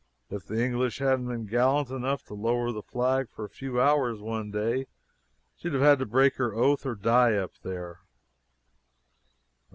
If the English hadn't been gallant enough to lower the flag for a few hours one day, she'd have had to break her oath or die up there."